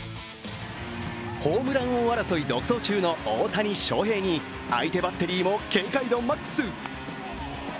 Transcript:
ホームラン王争い独走中の大谷翔平に相手バッテリーも警戒度マックス！